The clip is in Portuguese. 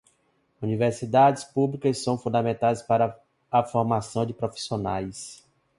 Universidades públicas são fundamentais para a formação de profissionais.